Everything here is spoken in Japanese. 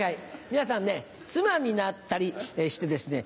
皆さんね妻になったりしてですね